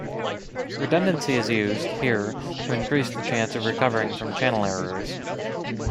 Redundancy is used, here, to increase the chance of recovering from channel errors.